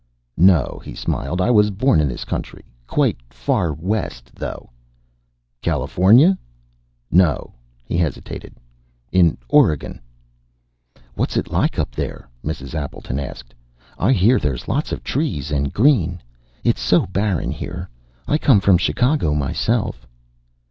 "No." He smiled. "I was born in this country. Quite far west, though." "California?" "No." He hesitated. "In Oregon." "What's it like up there?" Mrs. Appleton asked. "I hear there's a lot of trees and green. It's so barren here. I come from Chicago, myself."